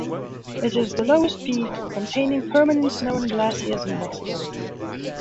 It is the lowest peak containing permanent snow and glaciers in Mexico.